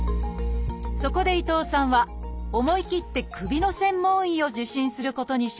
そこで伊藤さんは思い切って首の専門医を受診することにしました。